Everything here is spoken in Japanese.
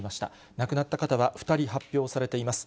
亡くなった方は２人発表されています。